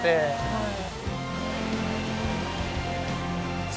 はい。